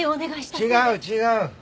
違う違う！